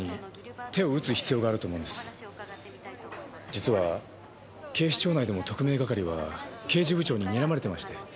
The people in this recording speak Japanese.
実は警視庁内でも特命係は刑事部長ににらまれてまして。